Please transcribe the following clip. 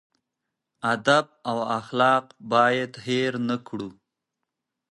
ادب او اخلاق باید هېر نه کړو.